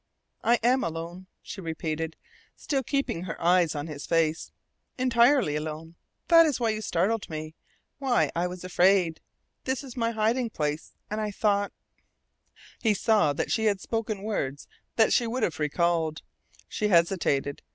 "I am alone," she repeated, still keeping her eyes on his face. "Entirely alone. That is why you startled me why I was afraid. This is my hiding place, and I thought " He saw that she had spoken words that she would have recalled. She hesitated.